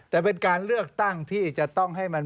แต่เป็นการเลือกตั้งที่จะต้องให้มัน